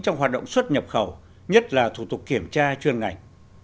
trong hoạt động xuất nhập khẩu nhất là thủ tục kiểm tra chuyên ngành